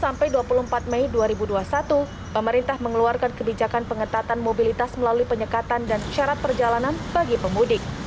sampai dua puluh empat mei dua ribu dua puluh satu pemerintah mengeluarkan kebijakan pengetatan mobilitas melalui penyekatan dan syarat perjalanan bagi pemudik